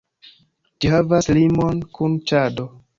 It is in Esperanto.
Ĝi havas limon kun Ĉado.